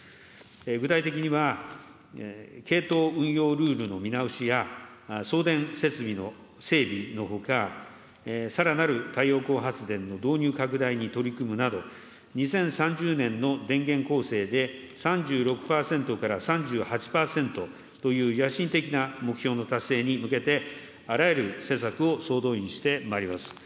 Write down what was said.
具体的には、、系統運用ルールの見直しや、送電設備の整備のほか、さらなる太陽光発電の導入拡大に取り組むなど、２０３０年の電源構成で、３６％から３８％という野心的な目標の達成に向けて、あらゆる施策を総動員してまいります。